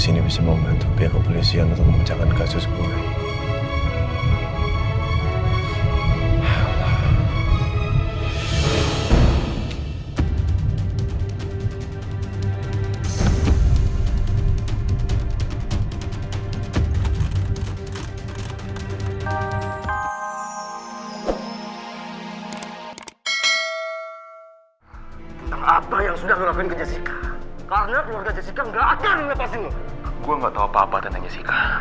ini apa hubungannya sama dennis